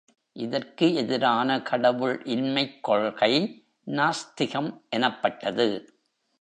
இதற்கு எதிரான கடவுள் இன்மைக் கொள்கை நாஸ்திகம் எனப்பட்டது.